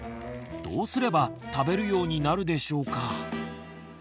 どうすれば食べるようになるでしょうか？